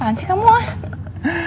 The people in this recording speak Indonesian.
apaan sih kamu ah